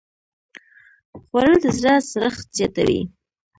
خوړل د زړه سړښت زیاتوي